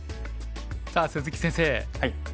さあ鈴木先生